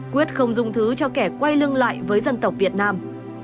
quyết không dung thứ cho kẻ quay lưng lại với dân tộc việt nam